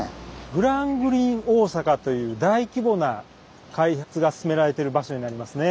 「グラングリーン大阪」という大規模な開発が進められてる場所になりますね。